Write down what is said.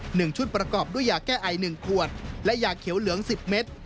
หนึ่งชุดประกอบด้วยยาแก้ไอหนึ่งขวดและยาเขียวเหลืองสิบเมตร